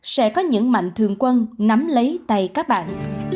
sẽ có những mạnh thường quân nắm lấy tay các bạn